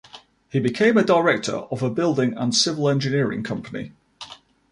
He became a director of a building and civil engineering company.